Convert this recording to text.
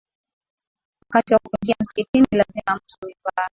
Wakati wa kuingia msikitini lazima mtu amevaa